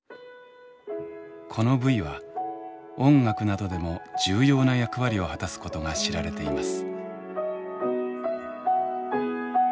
この部位は音楽などでも重要な役割を果たすことが知られています。